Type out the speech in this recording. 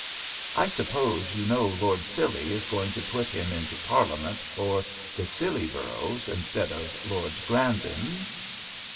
I suppose you know Lord Scilly is going to put him into Parliament for the Scilly boroughs instead of Lord Grandon?"